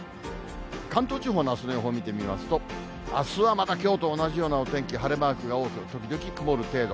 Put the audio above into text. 関東地方のあすの予報見てみますと、あすはまたきょうと同じようなお天気、晴れマークが多く、時々曇る程度。